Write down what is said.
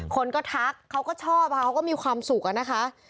คนก็ทักเขาก็ชอบเขาก็มีความสุขอะนะคะ